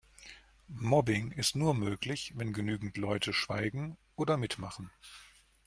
Mobbing ist nur möglich, wenn genügend Leute schweigen oder mitmachen.